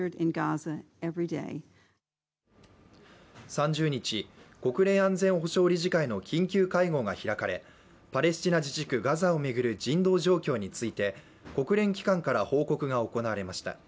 ３０日、国連安全保障理事会の緊急会合が開かれ、パレスチナ自治区ガザを巡る人道状況について国連機関から報告が行われました。